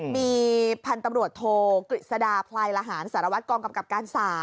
มีพันธุ์ตำรวจโทกฤษฎาพลายละหารสารวัตรกองกำกับการ๓